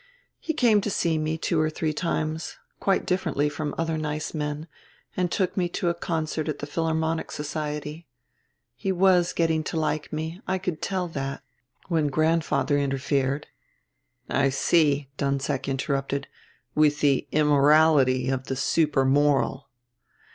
"He came to see me two or three times, quite differently from other nice men, and took me to a concert at the Philharmonic Society. He was getting to like me, I could tell that, when grandfather interfered " "I see," Dunsack interrupted, "with the immorality of the supermoral."